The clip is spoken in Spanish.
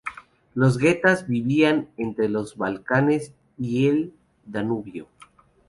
Los getas vivían entre los Balcanes y el Danubio.